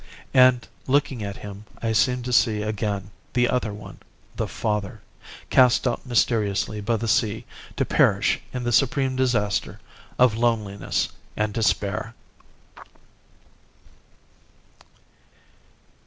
And looking at him I seemed to see again the other one the father, cast out mysteriously by the sea to perish in the supreme disaster of loneliness and despair."